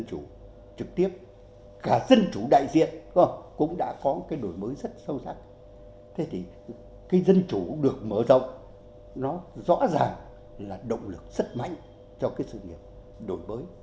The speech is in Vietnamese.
thế thì cái dân chủ đại diện cũng đã có cái đổi mới rất sâu sắc thế thì cái dân chủ được mở rộng nó rõ ràng là động lực rất mạnh cho cái sự việc đổi mới